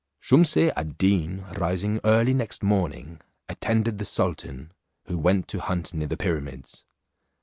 Shumse ad Deen rising early next morning, attended the sultan, who went to hunt near the pyramids.